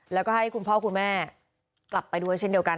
แล้วก็ให้คุณพ่อคุณแม่กลับไปด้วยเช่นเดียวกัน